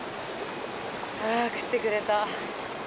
あ食ってくれた。